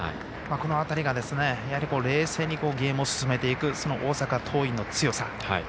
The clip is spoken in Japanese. この辺りが冷静にゲームを進めていくその大阪桐蔭の強さ。